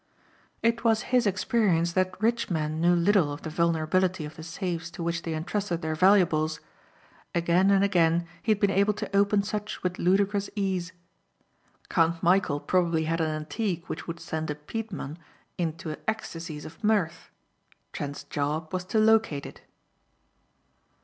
It was his experience that rich men knew little of the vulnerability of the safes to which they entrusted their valuables. Again and again he had been able to open such with ludicrous ease. Count Michæl probably had an antique which would send a "peteman" into ecstacies of mirth. Trent's job was to locate it.